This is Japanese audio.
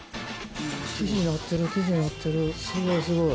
生地になってる生地になってるすごいすごい。